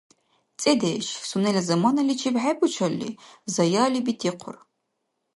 ЦӀедеш, сунела замананаличиб хӀебучалли, заяли бетихъур...